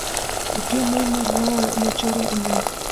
— Уке, мый марла начарын ойлем.